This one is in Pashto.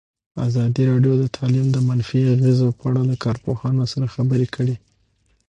ازادي راډیو د تعلیم د منفي اغېزو په اړه له کارپوهانو سره خبرې کړي.